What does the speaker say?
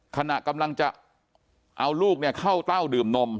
ขณะกำลังจะเอาลูกเข้าเต้าดื่มนม